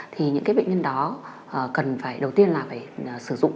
thì những cái bệnh nhân đó cần phải đầu tiên là phải sử dụng